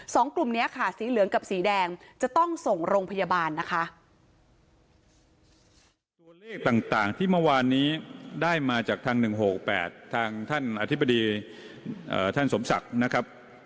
สองกลุ่มนี้ค่ะสีเหลืองกับสีแดงจะต้องส่งโรงพยาบาลนะคะ